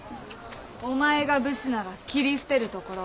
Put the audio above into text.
お前が武士なら斬り捨てるところ。